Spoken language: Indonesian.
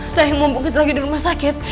sayang mumpung kita lagi di rumah sakit